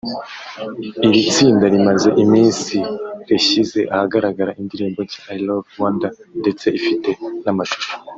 Iri tsinda rimaze iminsi reshyize ahagaragara indirimbo nshya“I love Rwanda” ndetse ifite n’amashusho